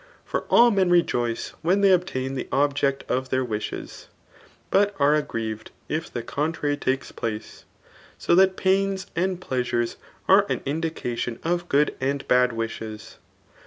For all men rej(»ce when they obtain the objeoi of their wishes, but ard aggiieved if die coninry takei I^ace; so thtttipahxs and pleasures are an indication of [^good and badj ^hes.